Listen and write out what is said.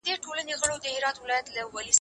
زه به اوږده موده د ژبي تمرين کړی وم،